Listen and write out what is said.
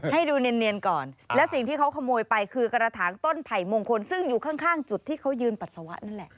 ให้ดูเนียนก่อนและสิ่งที่เขาขโมยไปคือกระถางต้นไผ่มงคลซึ่งอยู่ข้างจุดที่เขายืนปัสสาวะนั่นแหละ